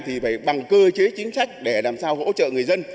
thì phải bằng cơ chế chính sách để làm sao hỗ trợ người dân